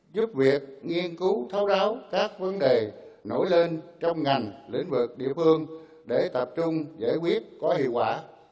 giúp việc nghiên cứu thấu đáo các vấn đề nổi lên trong ngành lĩnh vực địa phương để tập trung giải quyết có hiệu quả